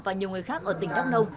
và nhiều người khác ở tỉnh đắk nông